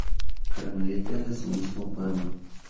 Carmelitas de su mismo pueblo.